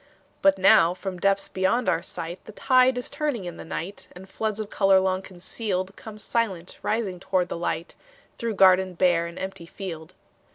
But now from depths beyond our sight, The tide is turning in the night, And floods of color long concealed Come silent rising toward the light, Through garden bare and empty field.